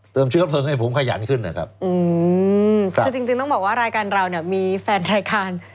เชื้อเพลิงให้ผมขยันขึ้นนะครับอืมคือจริงจริงต้องบอกว่ารายการเราเนี่ยมีแฟนรายการ